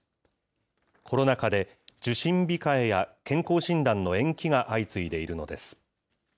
コロナ禍で、受診控えや健康診断の延期が相次いでいるのです。